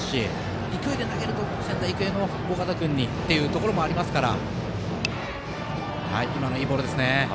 勢いで投げると仙台育英の尾形君にということもありますから。